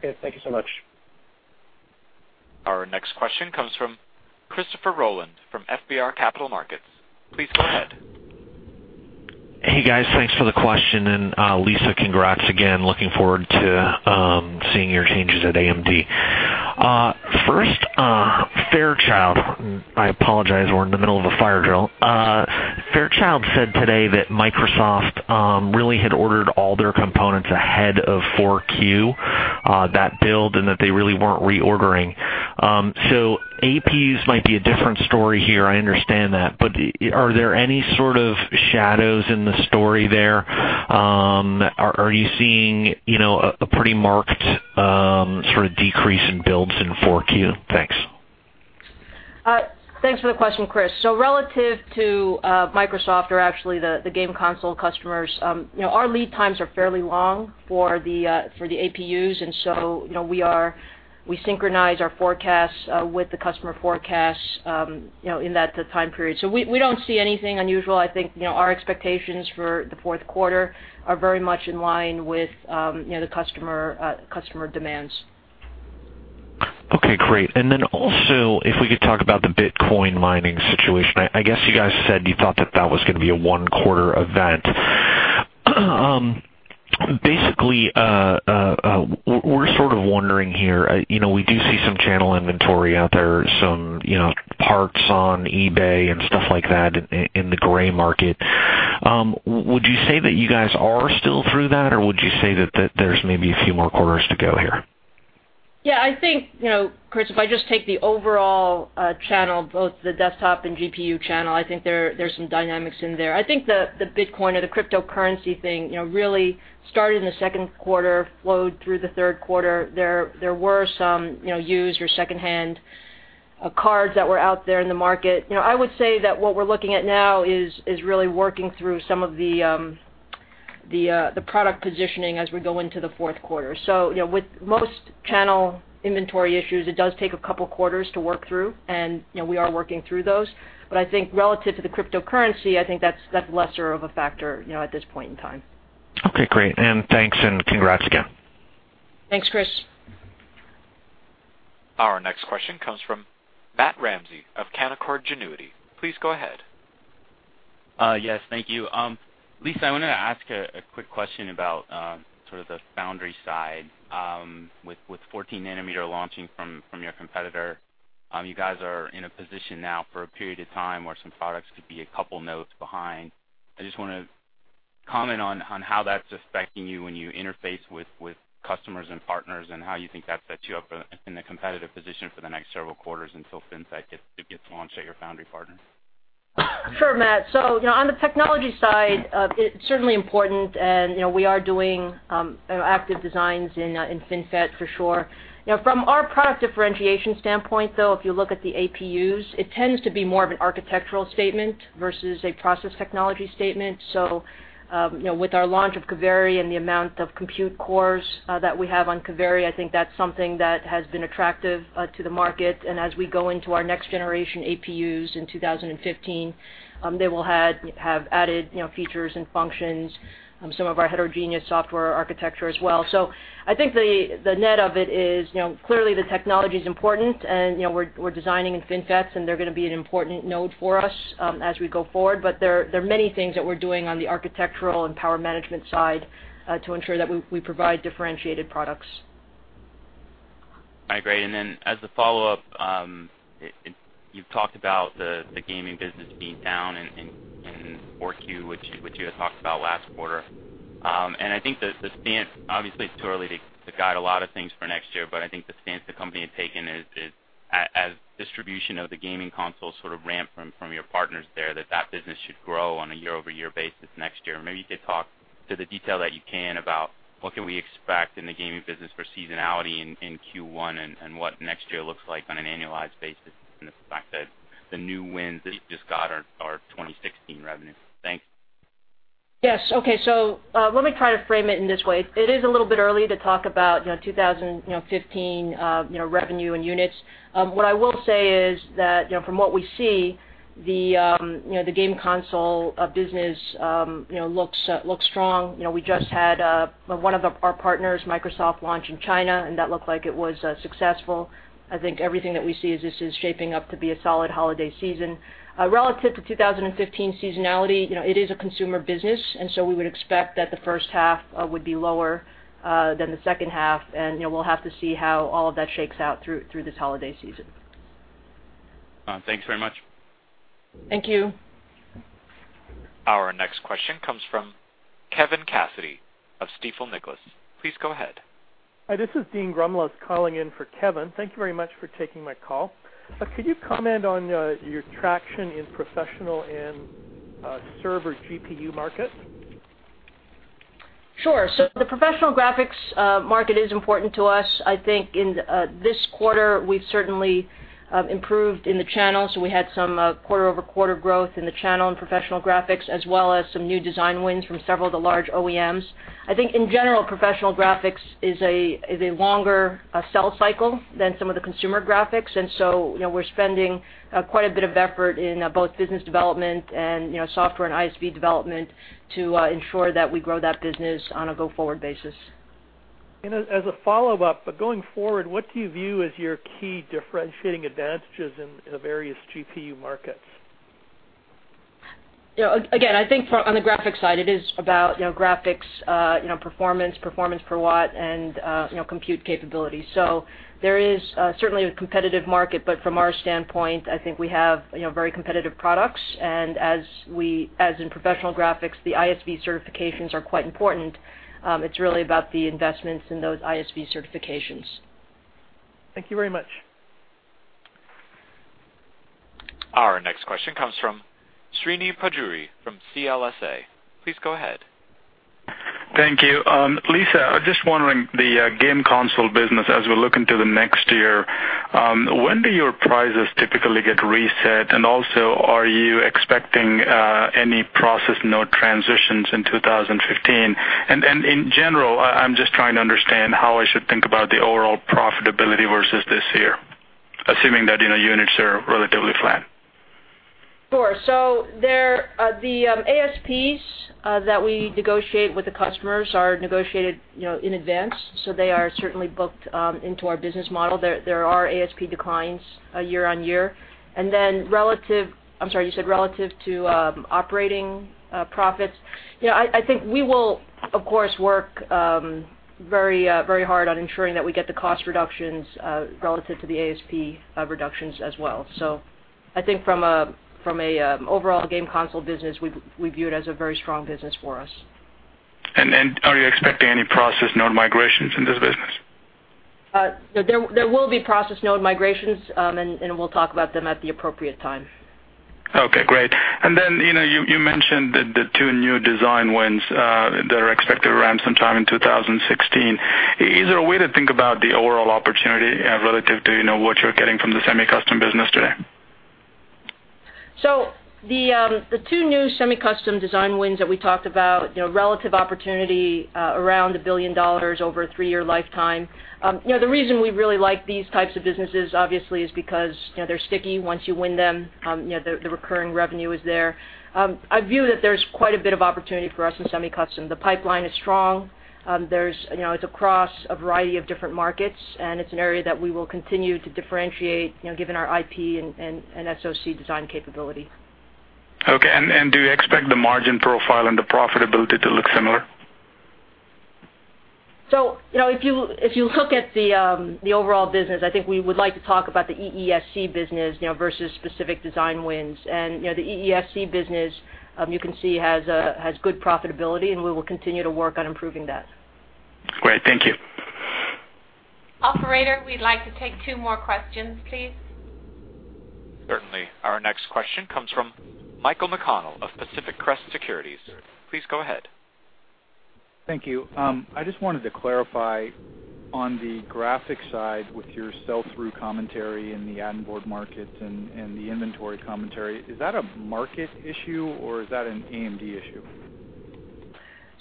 Speaker 10: Thank you so much.
Speaker 1: Our next question comes from Christopher Rolland from FBR Capital Markets. Please go ahead.
Speaker 11: Hey, guys. Thanks for the question, and Lisa, congrats again. Looking forward to seeing your changes at AMD. First, Fairchild. I apologize, we're in the middle of a fire drill. Fairchild said today that Microsoft really had ordered all their components ahead of 4Q, that build, and that they really weren't reordering. APUs might be a different story here, I understand that, but are there any sort of shadows in the story there? Are you seeing a pretty marked decrease in builds in 4Q? Thanks.
Speaker 3: Thanks for the question, Chris. Relative to Microsoft or actually the game console customers, our lead times are fairly long for the APUs, and we synchronize our forecasts with the customer forecasts in that time period. We don't see anything unusual. I think our expectations for the fourth quarter are very much in line with the customer demands.
Speaker 11: Okay, great. Also, if we could talk about the Bitcoin mining situation. I guess you guys said you thought that that was going to be a one-quarter event. Basically, we're sort of wondering here, we do see some channel inventory out there, some parts on eBay and stuff like that in the gray market. Would you say that you guys are still through that, or would you say that there's maybe a few more quarters to go here?
Speaker 3: I think, Chris, if I just take the overall channel, both the desktop and GPU channel, I think there are some dynamics in there. I think the Bitcoin or the cryptocurrency thing really started in the second quarter, flowed through the third quarter. There were some used or secondhand cards that were out there in the market. I would say that what we're looking at now is really working through some of the product positioning as we go into the fourth quarter. With most channel inventory issues, it does take a couple quarters to work through, and we are working through those. I think relative to the cryptocurrency, I think that's lesser of a factor at this point in time.
Speaker 11: Okay, great. Thanks and congrats again.
Speaker 3: Thanks, Chris.
Speaker 1: Our next question comes from Matt Ramsay of Canaccord Genuity. Please go ahead.
Speaker 12: Yes, thank you. Lisa, I wanted to ask a quick question about sort of the foundry side. With 14 nanometer launching from your competitor, you guys are in a position now for a period of time where some products could be a couple nodes behind. I just want to comment on how that's affecting you when you interface with customers and partners, and how you think that sets you up in a competitive position for the next several quarters until FinFET gets launched at your foundry partner.
Speaker 3: Sure, Matt. On the technology side, it's certainly important, and we are doing active designs in FinFET, for sure. From our product differentiation standpoint, though, if you look at the APUs, it tends to be more of an architectural statement versus a process technology statement. With our launch of Kaveri and the amount of compute cores that we have on Kaveri, I think that's something that has been attractive to the market. As we go into our next generation APUs in 2015, they will have added features and functions, some of our heterogeneous software architecture as well. I think the net of it is, clearly the technology is important and we're designing in FinFETs and they're going to be an important node for us as we go forward. There are many things that we're doing on the architectural and power management side to ensure that we provide differentiated products.
Speaker 12: All right, great. Then as a follow-up, you've talked about the gaming business being down in 4Q, which you had talked about last quarter. I think, obviously it's too early to guide a lot of things for next year, but I think the stance the company had taken is, as distribution of the gaming console sort of ramp from your partners there, that that business should grow on a year-over-year basis next year. Maybe you could talk to the detail that you can about what can we expect in the gaming business for seasonality in Q1 and what next year looks like on an annualized basis, the fact that the new wins you just got are 2016 revenue. Thanks.
Speaker 3: Yes. Okay. Let me try to frame it in this way. It is a little bit early to talk about 2015 revenue and units. What I will say is that from what we see, the game console business looks strong. We just had one of our partners, Microsoft, launch in China, and that looked like it was successful. I think everything that we see is this is shaping up to be a solid holiday season. Relative to 2015 seasonality, it is a consumer business, and so we would expect that the first half would be lower than the second half, and we'll have to see how all of that shakes out through this holiday season.
Speaker 12: Thanks very much.
Speaker 3: Thank you.
Speaker 1: Our next question comes from Kevin Cassidy of Stifel Nicolaus. Please go ahead.
Speaker 13: Hi, this is Dean Grumless calling in for Kevin. Thank you very much for taking my call. Could you comment on your traction in professional and server GPU market?
Speaker 3: Sure. The professional graphics market is important to us. I think in this quarter, we've certainly improved in the channel. We had some quarter-over-quarter growth in the channel and professional graphics, as well as some new design wins from several of the large OEMs. I think in general, professional graphics is a longer sell cycle than some of the consumer graphics, we're spending quite a bit of effort in both business development and software and ISV development to ensure that we grow that business on a go-forward basis.
Speaker 13: As a follow-up, going forward, what do you view as your key differentiating advantages in the various GPU markets?
Speaker 3: Again, I think on the graphics side, it is about graphics, performance per watt, and compute capability. There is certainly a competitive market, but from our standpoint, I think we have very competitive products, and as in professional graphics, the ISV certifications are quite important. It's really about the investments in those ISV certifications.
Speaker 13: Thank you very much.
Speaker 1: Our next question comes from Srini Pajjuri from CLSA. Please go ahead.
Speaker 14: Thank you. Lisa, I was just wondering, the game console business as we look into the next year, when do your prices typically get reset, and also, are you expecting any process node transitions in 2015? In general, I'm just trying to understand how I should think about the overall profitability versus this year, assuming that units are relatively flat.
Speaker 3: Sure. The ASPs that we negotiate with the customers are negotiated in advance, they are certainly booked into our business model. There are ASP declines year-over-year. Then relative, I'm sorry, you said relative to operating profits. I think we will, of course, work very hard on ensuring that we get the cost reductions relative to the ASP reductions as well. I think from an overall game console business, we view it as a very strong business for us.
Speaker 14: Are you expecting any process node migrations in this business?
Speaker 3: There will be process node migrations, and we'll talk about them at the appropriate time.
Speaker 14: Okay, great. You mentioned the two new design wins that are expected to ramp sometime in 2016. Is there a way to think about the overall opportunity relative to what you're getting from the semi-custom business today?
Speaker 3: The two new semi-custom design wins that we talked about, relative opportunity around $1 billion over a three-year lifetime. The reason we really like these types of businesses, obviously, is because they're sticky once you win them, the recurring revenue is there. I view that there's quite a bit of opportunity for us in semi-custom. The pipeline is strong. It's across a variety of different markets, and it's an area that we will continue to differentiate, given our IP and SoC design capability.
Speaker 14: Okay. Do you expect the margin profile and the profitability to look similar?
Speaker 3: If you look at the overall business, I think we would like to talk about the EESC business versus specific design wins. The EESC business, you can see, has good profitability, and we will continue to work on improving that.
Speaker 14: Great. Thank you.
Speaker 1: Operator, we'd like to take two more questions, please. Certainly. Our next question comes from Michael McConnell of Pacific Crest Securities. Please go ahead.
Speaker 15: Thank you. I just wanted to clarify on the graphics side with your sell-through commentary in the add-on board markets and the inventory commentary, is that a market issue or is that an AMD issue?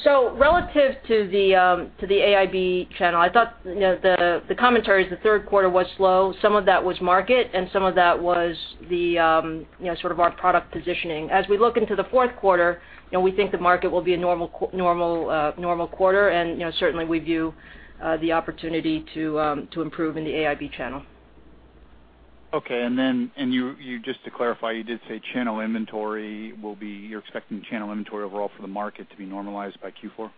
Speaker 3: Relative to the AIB channel, I thought the commentary is the third quarter was slow. Some of that was market and some of that was sort of our product positioning. As we look into the fourth quarter, we think the market will be a normal quarter, and certainly we view the opportunity to improve in the AIB channel.
Speaker 15: Okay. Just to clarify, you did say channel inventory, you're expecting channel inventory overall for the market to be normalized by Q4?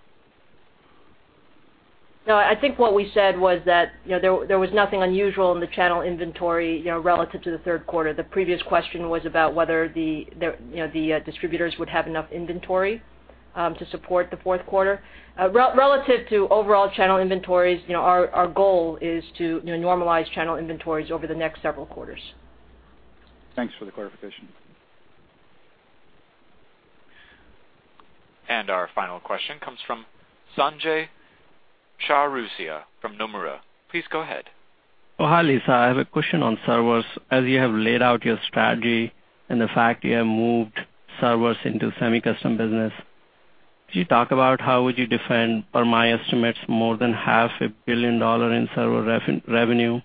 Speaker 3: No, I think what we said was that there was nothing unusual in the channel inventory relative to the third quarter. The previous question was about whether the distributors would have enough inventory to support the fourth quarter. Relative to overall channel inventories, our goal is to normalize channel inventories over the next several quarters.
Speaker 15: Thanks for the clarification.
Speaker 1: Our final question comes from Sanjay Shah-Rusia from Nomura. Please go ahead.
Speaker 16: Hi, Lisa. I have a question on servers. As you have laid out your strategy and the fact you have moved servers into Semi-Custom business, could you talk about how would you defend, per my estimates, more than half a billion dollars in server revenue?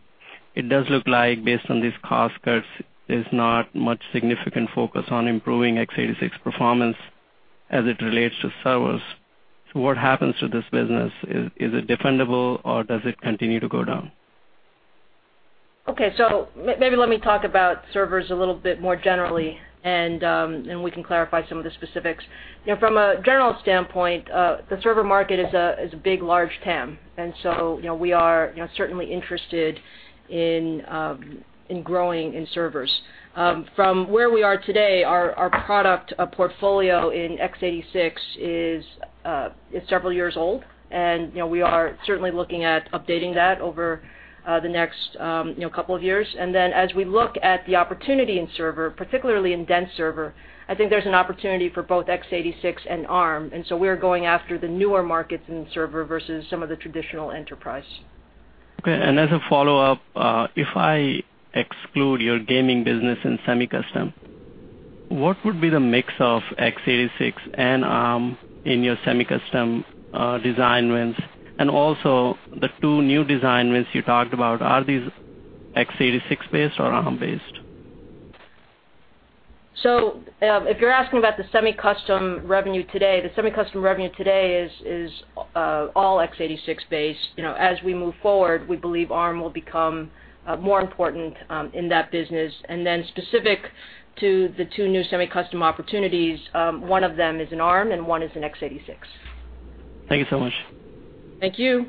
Speaker 16: It does look like based on these cost cuts, there's not much significant focus on improving x86 performance as it relates to servers. What happens to this business? Is it defendable or does it continue to go down?
Speaker 3: Maybe let me talk about servers a little bit more generally, and we can clarify some of the specifics. From a general standpoint, the server market is a big, large TAM, we are certainly interested in growing in servers. From where we are today, our product portfolio in x86 is several years old, and we are certainly looking at updating that over the next couple of years. As we look at the opportunity in server, particularly in dense server, I think there's an opportunity for both x86 and ARM, we're going after the newer markets in server versus some of the traditional enterprise.
Speaker 16: Okay. As a follow-up, if I exclude your gaming business and semi-custom, what would be the mix of x86 and ARM in your semi-custom design wins? And also the two new design wins you talked about, are these x86-based or ARM-based?
Speaker 3: If you're asking about the semi-custom revenue today, the semi-custom revenue today is all x86-based. As we move forward, we believe ARM will become more important in that business. Then specific to the two new semi-custom opportunities, one of them is an ARM and one is an x86.
Speaker 16: Thank you so much.
Speaker 3: Thank you.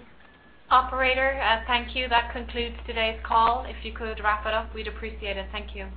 Speaker 2: Operator, thank you. That concludes today's call. If you could wrap it up, we'd appreciate it. Thank you.